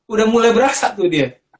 udah mulai berasa tuh dia